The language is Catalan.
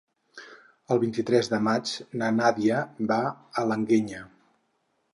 El vint-i-tres de maig na Nàdia va a l'Alguenya.